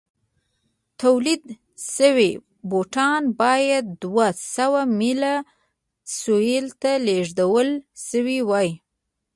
تولید شوي بوټان باید دوه سوه مایل سویل ته لېږدول شوي وای.